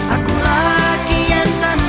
aku laki yang santai